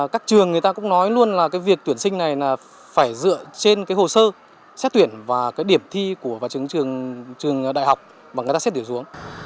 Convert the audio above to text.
các trường người ta cũng nói luôn là việc tuyển sinh này phải dựa trên hồ sơ xét tuyển và điểm thi của trường đạo